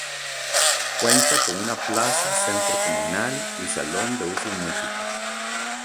Cuenta con una plaza, centro comunal y salón de usos múltiples.